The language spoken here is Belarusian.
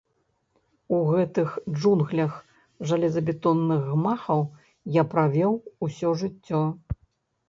У гэтых джунглях жалезабетонных гмахаў я правёў усё жыццё.